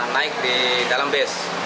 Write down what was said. naik di dalam bus